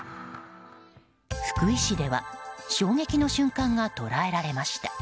福井市では衝撃の瞬間が捉えられました。